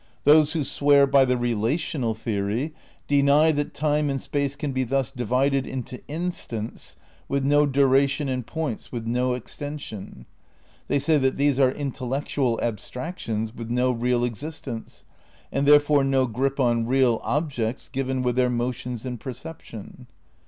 Those 144 THE NEW IDEALISM iv who swear by the relational theory deny that time and space can be thus divided into instants with no dura tion and points with no extension. They say that these are intellectual abstractions with no real existence, and therefore no grip on real objects given with their mo tions in perception.